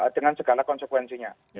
dengan segala konsekuensinya